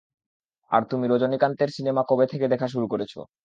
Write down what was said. আর তুমি রজনীকান্তের সিনেমা কবে থেকে দেখা শুরু করেছো?